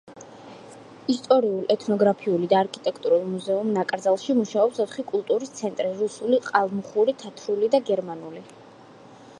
ისტორიულ-ეთნოგრაფიული და არქიტექტურულ მუზეუმ-ნაკრძალში მუშაობს ოთხი კულტურის ცენტრი: რუსული, ყალმუხური, თათრული და გერმანული.